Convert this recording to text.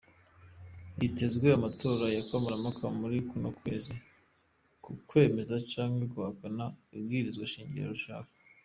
Hitezwe amatora ya kamarampaka muri kuno kwezi ku kwemeza canke guhakana ibwirizwa shingiro rishasha.